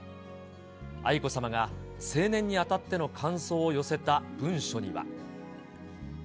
愛子さまが成年にあたっての感想を寄せた文書には。